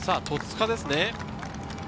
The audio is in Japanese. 戸塚ですね。